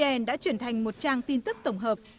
hiện tại go vn đã chuyển thành một trang tin tức tổng hợp